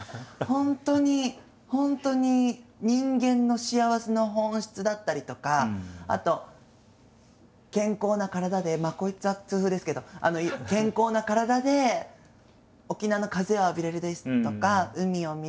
本当に本当に人間の幸せの本質だったりとかあと健康な体でまあこいつは痛風ですけど健康な体で沖縄の風を浴びれるですとか海を見れるとか。